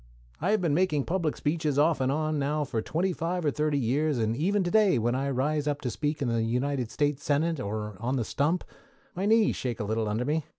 I have been making public speeches off and on now for twenty five or thirty years, and even to day when I rise up to speak in the United States Senate, or on the stump, my knees shake a little under me.